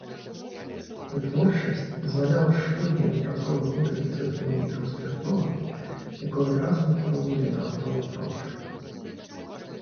Вытворчасць дазваляла штодня выпрацоўваць некалькі сотняў літраў спіртнога, якое адразу накіроўвалі на аптовы продаж.